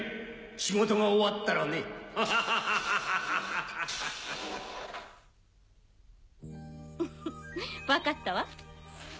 仕事が終わったらね・・ハハハハハ・フフフ分かったわ。